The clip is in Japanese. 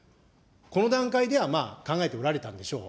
この段階ではまあ、考えておられたんでしょう。